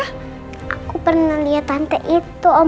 aku pernah liat tante itu oma